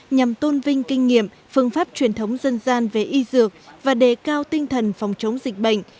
nhằm tôn vinh kinh nghiệm phương pháp truyền thống dân gian về y dược và đề cao tinh thần phòng chống dịch bệnh